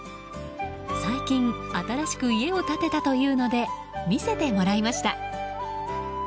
最近新しく家を建てたというので見せてもらいました。